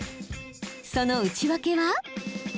その内訳は？